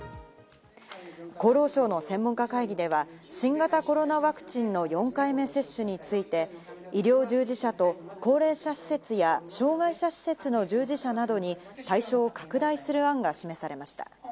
厚労省の専門家会議では、新型コロナワクチンの４回目接種について、医療従事者と高齢者施設や障害者施設の従事者などに対象を拡大する案が示されました。